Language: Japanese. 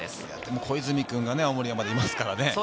小泉君が青森山田いますからね。